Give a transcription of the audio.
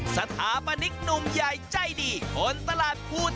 สถาบันดิกนุ่มใหญ่ใจดีคนตลาดพลูครับ